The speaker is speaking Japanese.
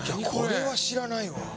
これは知らないわ。